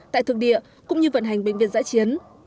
tại thực địa cũng như vận hành bệnh viện giã chiến